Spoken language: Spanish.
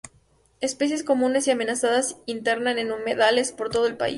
Especies comunes y amenazadas invernan en humedales por todo el país.